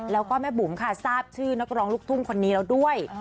แล้วก็แม่บุ๋มค่ะทราบชื่อนักร้องลูกทุ่งคนนี้แล้วด้วย